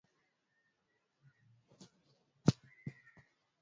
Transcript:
hifadhi ya Mikumi na maeneo mengine ya jiraniKwa upande mwingine pembezoni mwa Uluguru